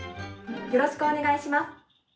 よろしくお願いします。